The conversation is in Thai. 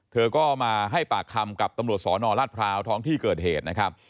เธอก็มาให้ปากคำกับตำรวจสนราชพร้าวท้องที่เกิดเหตุนะครับ